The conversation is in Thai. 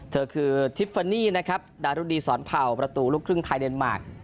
เธอคือทิฟฟานี่นะครับดารุดีสอนเผ่าประตูลูกครึ่งไทยเดนมาร์ค